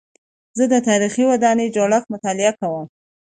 زه د تاریخي ودانیو جوړښت مطالعه کوم.